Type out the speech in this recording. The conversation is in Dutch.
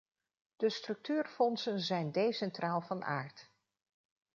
De structuurfondsen zijn decentraal van aard.